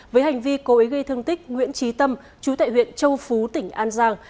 với hành vi cố ý gây thương tích nguyễn trí tâm chú tại huyện châu phú tỉnh an giang